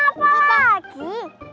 aduh kenapa lagi